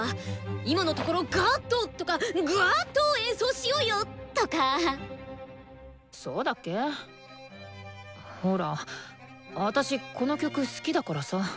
「今のところガーッと！」とか「ぐわっと演奏しようよ！」とか。そうだっけ？ほらあたしこの曲好きだからさ。